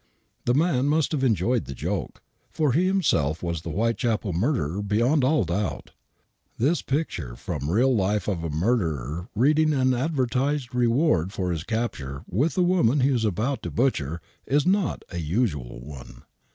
The man must have enjoyed the joke, for he himself was the Whitechapel murderer beyond all doubt. This picture from real life of a murderer reading an advertised reward for his capture with the woman he is about to butcher, is not a usual one.